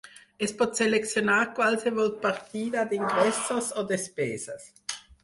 Es pot seleccionar qualsevol partida d’ingressos o despeses.